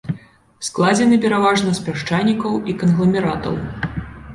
Складзены пераважна з пясчанікаў і кангламератаў.